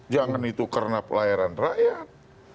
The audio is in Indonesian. jangan itu karena pelayaran rakyat